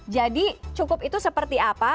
jadi cukup itu seperti apa